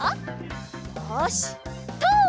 よしとお！